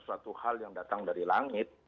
suatu hal yang datang dari langit